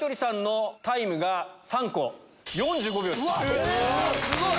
えすごい！